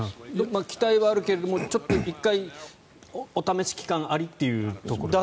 期待はあるけども１回、お試し期間ありということですか？